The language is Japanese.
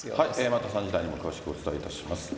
また３時台にも詳しくお伝えいたします。